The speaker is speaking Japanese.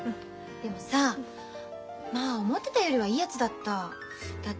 でもさまあ思ってたよりはいいやつだった。